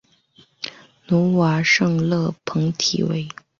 努瓦亚勒蓬提维。